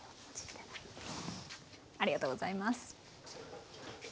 ありがとうございます。